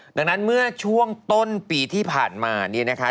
ดังนั้นเมื่อช่วงต้นปีที่ผ่านมาเนี่ยนะคะ